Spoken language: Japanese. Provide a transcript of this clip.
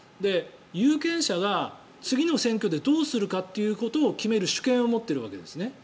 有権者は次の選挙でどうするかということを決める主権を持っているわけですね。